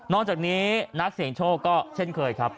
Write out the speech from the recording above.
จากนี้นักเสี่ยงโชคก็เช่นเคยครับ